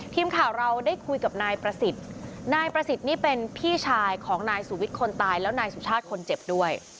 ทีมข่าวเราได้คุยกับนายประสิทธิ์นายประสิทธิ์นี่เป็นพี่ชายของนายสุวิทย์คนตายแล้วนายสุชาติคนเจ็บด้วย